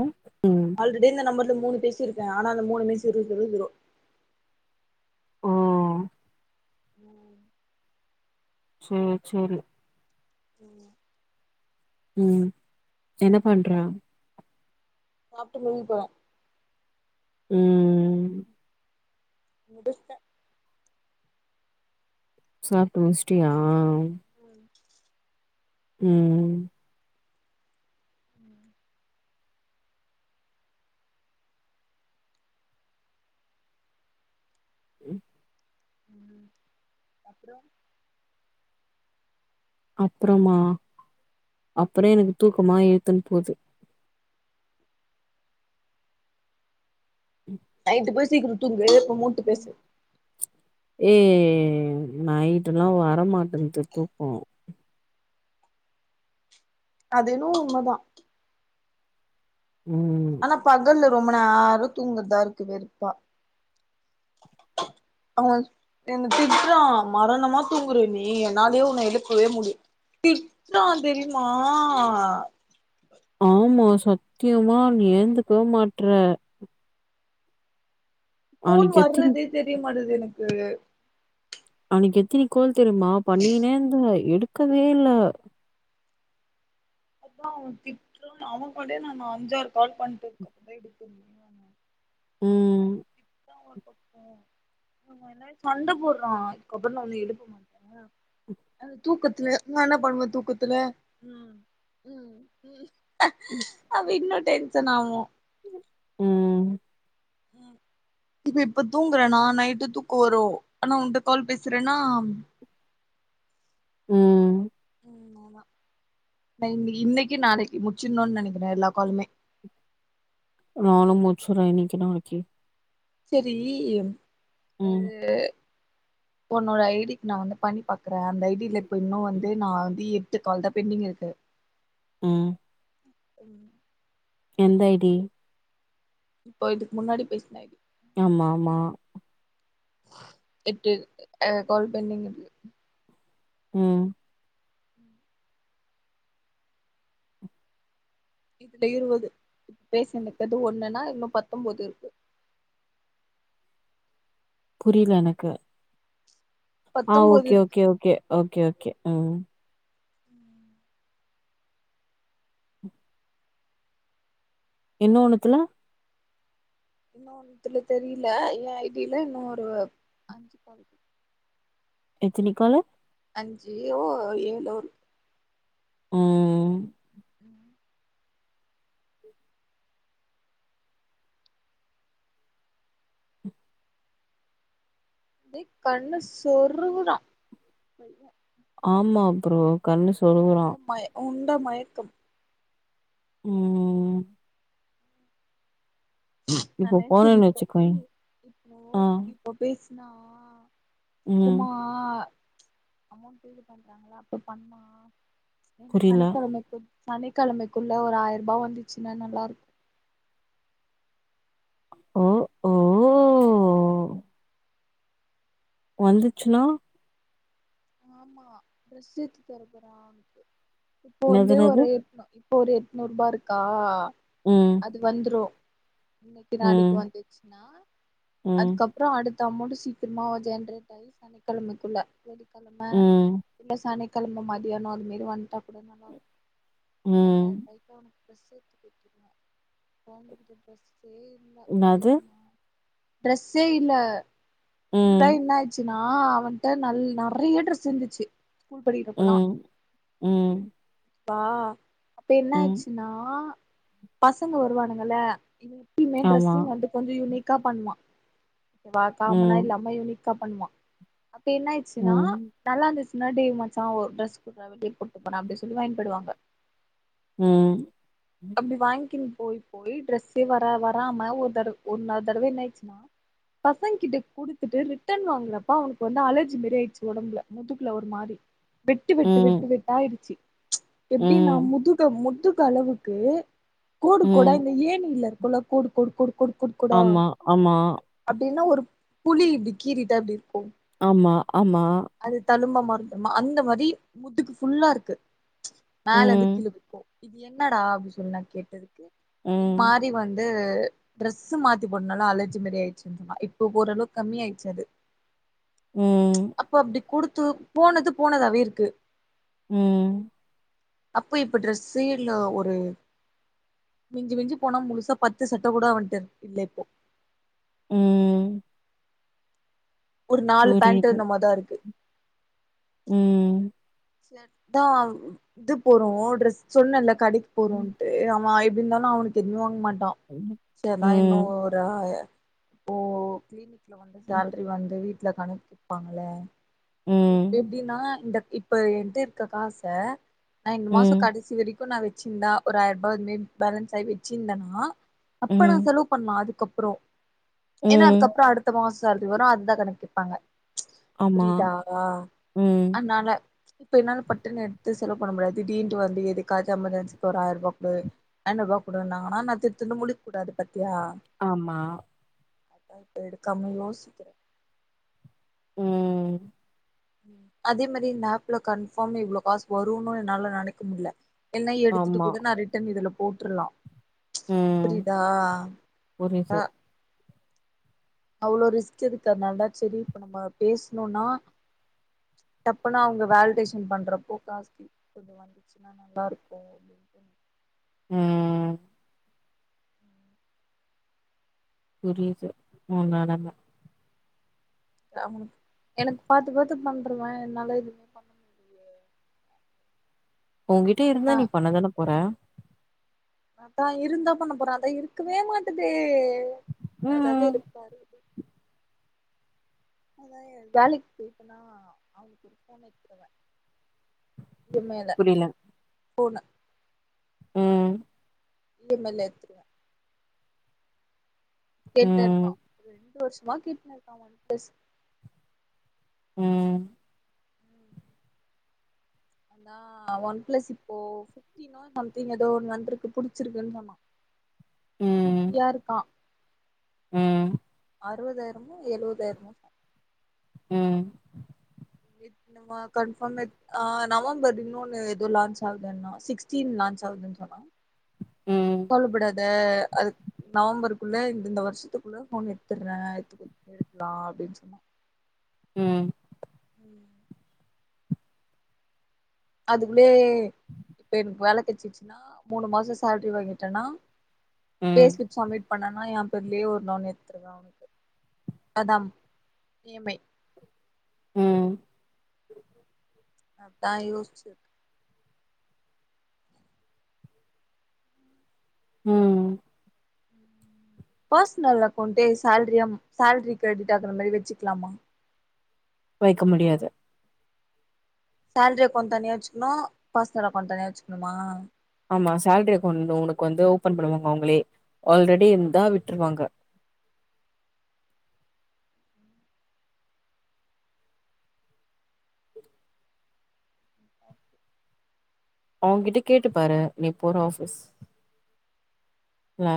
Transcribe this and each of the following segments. ம் ஆல்ரெடி இந்த நம்பர்ல மூணு பேசி இருக்கே ஆனா அந்த மூணுமே ஜீரோ ஜீரோ ஜீரோ ஓ சேர் சேரி ம் ம் என்ன பண்றா சாப்ட்டு முடிக்க போறே ம் முடிச்ட்டே சாப்ட்டு முடிச்சிட்டியா ம் ம் ம் ம் ம் அப்றோ அப்புறமா அப்புறோ எனக்கு தூக்கமா இழுத்துன்னு போது ம் நைட்டு போய் சீக்கிரோ தூங்கு இப்ப மூட் ம் ஏ நைட்டு எல்லா வரமாட்டன்து தூக்கம் அது என்னவோ உண்ம தா ம் நா பகல்ல ரொம்ப நேரோ தூங்குறதா இருக்கு வெறுப்பா அவ என்ன திட்றான் மரணமா தூங்குற நீ என்னாலயே உன்ன எழுப்பவே முடி திட்னா தெரியுமா ஆமா சத்தியமா நீ எழுந்துக்கவே மாட்ற ஃபோன் நாளைக்கு எத்தினி வர்றதே தெரியமாட்டுது எனக்கு அன்னிக்கி எத்தினி கால் தெரியுமா பண்ணீகுனே இருந்தேன் எடுக்கவே இல்ல அதா அவன் திட்டுரான் அவன் காலே நான் அஞ்சாறு கால் பண்ணிட்டு இருக்க [unintelligible] எடு [unintelligible] ம் [unintelligible] என்னை சண்ட போடுறா அதுக்கப்புறம் நா ஒன்ன எழுப்ப மாட்டே அது தூக்கத்துல நா என்ன பண்ணுவ தூக்கத்துல ம் ம் ம் அவன் இன்னும் டென்ஷன் ஆவா ம் ம் இப்ப இப்ப தூங்குறேனா நைட்டு தூக்க வரும் ஆனா அவன்கிட்ட கால் பேசுறேன்னா ம் ம் நோநா நா இன்னைக்கி இன்னைக்கு நாளைக்கு முச்சிடும்ன்னு நெனக்கிறே எல்லா காலுமே நானு முடிச்சிருவே இன்னைக்கி நாளைக்கி செரி ம் அது உன்னோட ஐடிக்கு நா வந்து பண்ணி பாக்குறே அந்த ஐடில இப்ப இன்னு வந்து நா வந்து எட்டு கால்தா பெண்டிங்ல இருக்கு ம் ம் எந்த ஐ டி இப்போ இதுக்கு முன்னாடி பேசின ஐ டி ஆமா ஆமா எட்டு கால் பெண்டிங் இருக்கு ம் இதுல இருவது இப்ப பேசுனது ஒண்ணுன்னா இன்னு பத்தொன்போது இருக்கு புரியல எனக்கு ஆ பத்தொம்போது ஓகே இருக்கு ஓகே ஓகே ஓகே ஓகே ம் இன்னு ஒண்ணுத்துல இன்னு ஒன்னுத்துல தெரியல ஏ ஐ டில இன்னு ஒரு அஞ்சு கால் எத்தின காலு அஞ்சு ஓ ஏழோ இரு ம் [inaudible] அப்டி கண்ண சொறுகுதா பைய ஆமா ப்ரோ கண்ணு சு உண்ட மய உண்ட மயக்கம் ம் நா இப்போ நெனச்சது போனேன்னு இப்போ ஏ வச்சுக்கோயே இப்போ ஆ இப்போ பேசுனா ம் சீக்கிரமா அமென்ட் இது பண்றாங்களா அப்ப பண்ணா புரில சனிக்கிழமைக்கு சனிக்கிழமைக்குள்ள ஒரு ஆயிரூபா வந்துச்சுன்னா நல்லா இருக்கு ஓ ஓ வந்துச்சுனா ஆமா டிரஸ் எடுத்து தரப்போறா அவனுக்கு இப்ப என்னது வந்து என்னது ஒரு ப்ப ஒரு எட்நூரூபா இருக்கா ம் இது வந்துரு இன்னைக்கு நாளைக்கு ம் வந்துச்சுன்னா ம் அதுக்கு அப்றோ அடுத்த அமௌன்ட் சீக்கிரமா ஜென்ரேட் ஆகி சனிக்கிழமைக்குள்ள வெளிகெழம ம் இல்ல சனிக்கிழம்ம மதியான அது மாரி வந்துட்டா கூட நல்ல இருக்கு ம் ரெண்டாயிரூவாய்க்கு டிரஸ் எடுத்து குடுத்துருவே போடுறதுக்கு ட்ரெஸ்சே இல்ல என்னது தெரியுமா டிரஸ்சே இல்ல ஃபுல்லா ம் என்ன ஆச்சுன்னா அவன்ட்ட நல் நெறைய ட்ரஸ் இருந்துச்சு ஸ்கூல் படிக்கிப்பல்லா ம் ம் பா இப்ப என்ன ம் ஆச்சுன்னா பசங்க வருவானுங்கல்ல இங்க எப்பயுமே ஆமா டரெஸ்சிங் கொஞ்ச யுனிக்கா பண்வா வா ம் காமனா இல்லாம யுனிக்கா பண்வா அப்ப என்ன ஆயிச்சுன்னா ம். நல்லா இருந்துச்சின்னா டேய் மச்சா ஒர் ட்ரஸ் குடுறா வெளிய போட்டு போறே அப்படின் சொல்லி வாங்கிட் போயிடுவாங்க ம் அப்டி வாங்கிக்கினு போய் போய் ட்ரெஸ்ஸே வரா வராம ஒரு தடவ ஒரு நாலு தடவ என்ன ஆயிடுச்சுன்னா பசங்க கிட்ட குடுத்துட்டு ரிட்டன் வாங்குனப்ப அவனுக்கு வந்து அலர்ஜி மாரி ஆயிடுச்சு ஒடம்புல முதுகுல ஒரு மாரி வெட்டு வெட்டு ம். வெட்டு வெட்டாயிரிச்சு எப்டின்னா ம். முதுக முதுகளவுக்கு கோடு கோடா ம். இந்த ஏணியில இருக் ஃபுல்லா கோடு கோடு கோடு கோடு கோடு கோடா ஆமா, ஆமா, அப்டின்னா ஒரு புலி இப்டி கீறிட்டா எப்டி இருக்கு ஆமா ஆமா அது தழும்பா மாறுது அந்த மாரி முதுகு ஃபுல்லா இருக்கு மேல இருந்து ம். கீழ வர கு இது என்னடா அப்படி சொல்லி நான் கேட்டதுக்கு இந் ம். மாரி வந்து ட்ரெஸ்ஸூ மாத்தி போட்டனால அலர்ஜி மாரி ஆயிருச்சுன்ருந்தா இப்போ ஓரளவு கம்மி ஆயிச்சு அது ம் அப்போ அப்டி குடுத்து போனது போனதாவே இருக்கு ம் அப்ப இப்ப ட்ரெஸ்ஸே இல்ல ஒரு மிஞ்சி மிஞ்சி போனா முழுசா பத்து சட்ட கூட அவன்ட இல்ல இப்போ ம் ஒரு நாலு பேண்ட் புரியுது. என்னமோதா இருக்கு ம் செட்டா இது போறோ ட்ரெஸ் சொன்னல்ல கடைக்கு போறோன்ட்டு அவ ஆயி எப்டி இருந்தாலு அவனுக்கு எதுமே வாங்க மாட்டா ம். சரினா இன்னு ம். ரா ஒ கிளினிக்ல வந்து சேலரி வந்து வீட்ல கணக்கு ப்பாங்கள்ள இப்ப ம். எப்டின்னா இந்த இப்ப என்ட்ட இருக்க காச நா இந்த மாச ம். கடைசி வரைக்கு நா வச்சிருந்தே ஒரு ஆயிரரூபா வந்து பேலன்ஸாயி வச்சிருந்தேன்னா அப்ப நா ம். செலவு பண்லா அதுக்கப்றோ ஏன்னா ம். அதுக்கப்புற அடுத்த மாச சேலரி வரு அதா கணக்கு கேப்பாங்க ஆமா. புரிதா ம். அனால இப்ப என்னாலு பட்டுன்னு எடுத்து செலவு பண்ண முடியாது திடினு வந்து எதுக்காவது எமர்ஜென்சிக்கு ஒரு ஆயர் ரூபா குடு ஐநூறு ரூவா கொடுனாங்கனா நா திருதிருனு முழிக் கூடாது பத்தியா ஆமா எடுகாம யோசிக்குற ம் அதே மாரி இந்த ஆஃப்ல கன்ஃபார்ம் இவ்ளோ காசு வரும்னு என்னால நெனைக்க முடில எல்லா எடுத்துட்டு ஆமா. கூட நா ரிட்டன் இதுல போட்டுருலா ம். புரியுதா புரியுது. ஆ அவ்ளோ ரிஸ்க் இருக்கறதால தா சரி இப்ப நம்ம பேசணுனா தப்புனா அவங்க வேலிடேஷன் பண்றப்போ காஸ் கி வந்துச்சுன்னா நல்லாருக்கு அப்டின்னு ம் புரியுது உ நெலம ஆமா எனக்கு பாத்து பாத்து பன்றவ என்னால எதுமே உங்கிட்ட இருந்தா நா நீ பண்ணதான போற அதா இருந்தா பண்ண போறே அதா இருக்கவே மாட்டதே அதா ம். வெறுப்பா இரு அதா வேலைக்கு போயிருப்பனா அவங்களுக்கு ஒரு ஃபோன் எடுத்துருவ இ மே ல புரியல. போனு ம் இ எம் ஐ ல எத்துருவ கேட்டுருப்பா ம் ரெண்டு வருஷமா கேட்டுனுருக்கா ஒன் பிளஸ் ம் அதா ஒன் பிளஸ் இப்போ புத்தினு சம்திங் ஏதோ ஒண்ணு வந்திருக்கு புடிச்சிருக்குன்னு சொன்னா ம் குட்டியா இருக்கா ம் அறுவதாயிரமோ எழுவதாயிரமோ சொன் ம் ஏட்னுமா கன்ஃபாம் எடுத் ஆ நவம்பர் இன்னொன்னு ஏதோ லான்ச் ஆகுதுன்னா சிக்ஸ்டீன் லான்ச் ஆகுதுன் சொன்னா கவலபடாத அ அது நவம்பருக்குள்ள இந்த இந்த வருஷத்துக்குள்ள ஃபோன் எத்துற எத்து குத் எடுக்கலா அப்டின்னு சொன்னா ம் ம் அதுக்குள்ளே இப்ப எனக்கு வேலை கட்ச்சிச்சுன்னா மூணு மாசோ சேலரி வாங்கிட்டன்னா பே ம் ஸ்லிப் சமிட் பண்ணனா ஏ பெர்லயே ஒரு லோன் எத்துருவே அதா இ எம் ஐ ம் அதா யோச்சி ம் பர்சனல் அக்கௌண்டே சேல்ரி சேலரி கிரெடிட் ஆகுற மாதிரி வெச்சிக்கலாமா வெக்க முடியாது சேலரி அக்கௌண்ட் தனியா வெச்சிக்கணு பர்சனல் அக்கௌண்ட் தனியா வெச்சிக்கணுமா ஆமா சேலரி அக்கௌண்ட் உனக்கு வந்து ஓபன் பண்ணுவாங்க அவுங்களே ஆல்ரெடி இருந்தா விட்டுருவாங்க அவுங் கிட்ட கேட்டு பாரு நீ போற ஆபிஸ் ல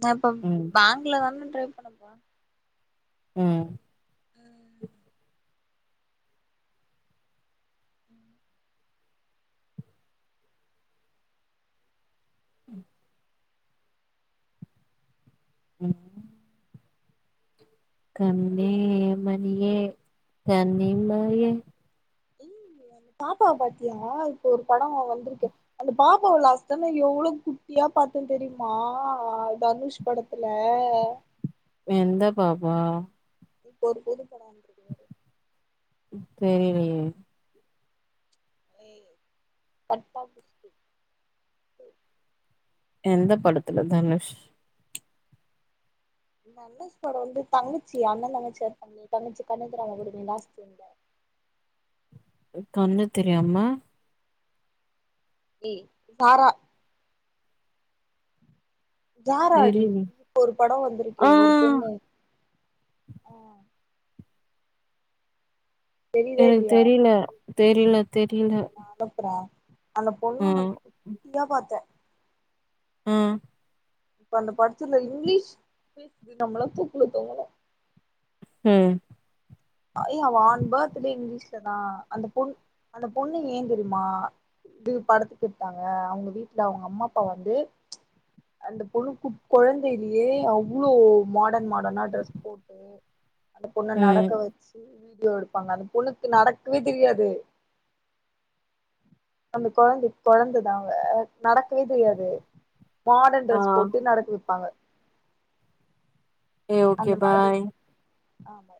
நா இப்ப ம் பேங்க்ல தான ட்ரை பண்ண போறே ம் அ ம் ம் ம் கண்ணே மணியே கண் இமையே ஏய் அந்த பாப்பாவ பாத்தியா இப்போ ஒரு படோ வந்துருக்கே அந்த பாப்பாவ லாஸ்டலின்னியோ எவ்ளோ குட்டியா பாத்த தெரியுமா அ தனுஷ் படத்துல எந்த பாப்பா இப்போது ஒரு [unintelligible] இப்போ ஏய் கட்டாகுஸ்தி எந்த படத்துல தனுஷ் தனுஷ் பயோ வந்து தங்கச்சி அண்ணன் தங்கச்சியா இருப்பாங்கல தங்கச்சி கண்ணு தெரியாம பெய்டுமே லாஸ்ட்டு என்ட்ல கண்ணு தெரியாம ஏய் சாரா ஜாராடி தெரியல இப்ப ஒரு படோ வந்துருக்கே ஒரு ஆ பெண்ணு தெரியுதா எனக்கு இல்லையா தெரியல தெரில தெரில இரு நா அனுப்புறே அந்த பொண்ணு உன்னு குட்டியா பாத்தே ம் இப்ப அந்த படத்துல இங்கிலீஷ் பேசுது நம்மள தூக்கல தூங்கணு ம் ஐயோ அவா ஆன் பர்த்டே இங்கிலீஷ்ல தா அந்த பொண் அந்த பொண்ணு ஏ தெரியுமா இது படத்துக்கூப்ட்டாங்க அவங்க வீட்ல அவுங்க அம்மா அப்பா வந்து அந்த பொண்ணுக்கு கொழந்தையிலயே அவ்ளோ மாடன் மாடர்னா ட்ரெஸ் போட் அந்த பொண்ண ம் நடக்க வெச்சு வீடியோ எடுப்பாங்க அந்த பொண்ணுக்கு நடக்கவே தெரியாது அந்த கொழந்தை கொழந்ததா அவ நடக்கவே தெரியாது மாடர்ன் ஆ டிரஸ் போட்டு நடக்க வெப்பாங்க ஏ ஓகே அந்த மாரி பாய் ஆமா